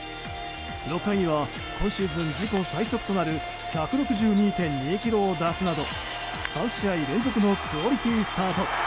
６回には今シーズン自己最速となる１６２．２キロを出すなど３試合連続のクオリティースタート。